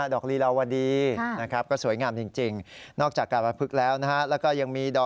ดอกลีลาววาดีก็สวยงามจริงน่อจากการปะพรึกแล้วนะฮะ